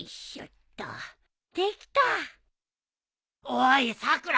おいさくら